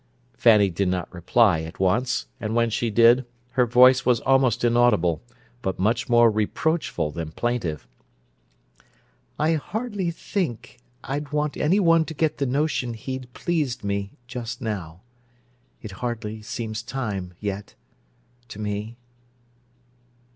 Fanny did not reply at once, and when she did, her voice was almost inaudible, but much more reproachful than plaintive. "I hardly think I'd want any one to get the notion he'd pleased me just now. It hardly seems time, yet—to me."